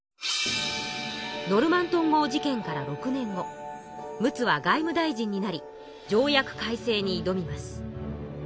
ノルマントン号事件から６年後陸奥は外務大臣になり条約改正に挑みます。